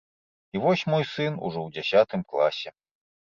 І вось мой сын ужо ў дзясятым класе.